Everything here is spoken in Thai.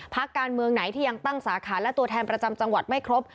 พักการเมืองไหนที่ยังตั้งสาขาและตัวแทนประจำจังหวัดไม่ครบ